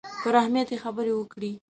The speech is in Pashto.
پر اهمیت یې خبرې وکړې.